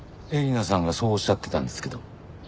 えりなさんがそうおっしゃってたんですけど。